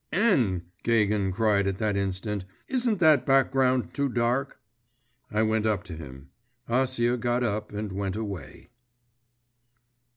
'N!' Gagin cried at that instant; 'isn't that background too dark?' I went up to him. Acia got up and went away.